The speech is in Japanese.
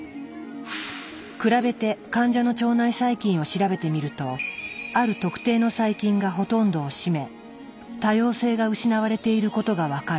比べて患者の腸内細菌を調べてみるとある特定の細菌がほとんどを占め多様性が失われていることが分かる。